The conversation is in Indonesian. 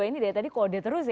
jadi tadi kode terus ya